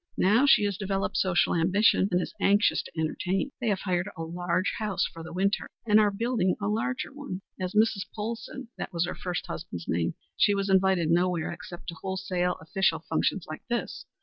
Now she has developed social ambition and is anxious to entertain. They have hired a large house for the winter and are building a larger one. As Mrs. Polsen that was her first husband's name she was invited nowhere except to wholesale official functions like this.